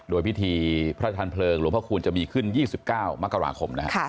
โดยพิธีพระทานเพลิงหลวงพระคูณจะมีขึ้น๒๙มกราคมนะครับ